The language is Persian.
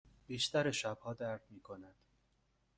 بیشتر شبها درد می کند.